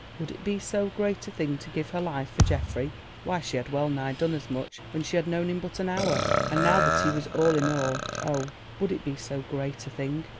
Would it be so great a thing to give her life for Geoffrey?—why she had well nigh done as much when she had known him but an hour, and now that he was all in all, oh, would it be so great a thing?